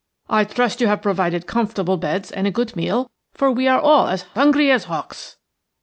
I trust you have provided comfortable beds and a good meal, for we are all as hungry as hawks."